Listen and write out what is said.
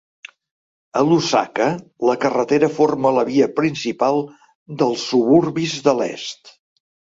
A Lusaka, la carretera forma la via principal dels suburbis de l'est.